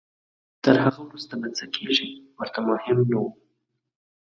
تر هغې وروسته به څه کېږي ورته مهم نه وو.